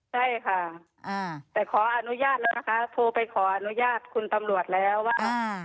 ใช่ค่ะแต่ขออนุญาตแล้วนะคะโทรไปขออนุญาตคุณตำรวจแล้วว่า